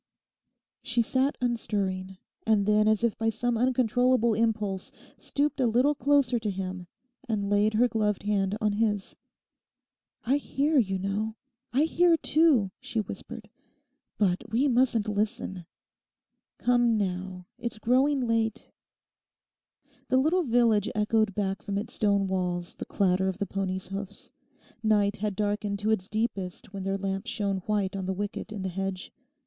She sat unstirring; and then as if by some uncontrollable impulse stooped a little closer to him and laid her gloved hand on his. 'I hear, you know; I hear too,' she whispered. 'But we mustn't listen. Come now. It's growing late.' The little village echoed back from its stone walls the clatter of the pony's hoofs. Night had darkened to its deepest when their lamp shone white on the wicket in the hedge.